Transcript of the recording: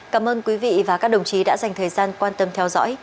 cảm ơn quý vị và các đồng chí đã dành thời gian quan tâm theo dõi